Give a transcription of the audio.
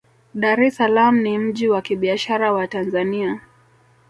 dar es salaam ni mji wa kibiashara wa tanzania